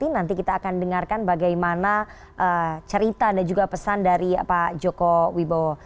nanti kita akan dengarkan bagaimana cerita dan juga pesan dari pak joko wibowo